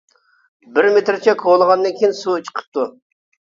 بىر مېتىرچە كولىغاندىن كېيىن سۇ چىقىپتۇ.